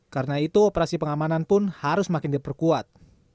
karena itu operasi pengamanan pun harus makin diperkuat